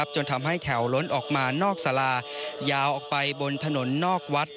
จนทำให้แถวล้นออกมานอกสารายาวออกไปบนถนนนอกวัด